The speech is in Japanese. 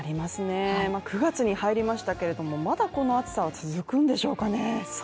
９月に入りましたけれどもまだこの暑さは続くんでしょうかね。